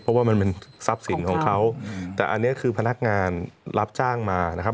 เพราะว่ามันเป็นทรัพย์สินของเขาแต่อันนี้คือพนักงานรับจ้างมานะครับ